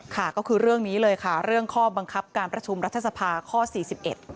ค่ะก็คือเรื่องนี้เลยค่ะเรื่องข้อบังคับการประชุมรัฐสภาข้อสี่สิบเอ็ด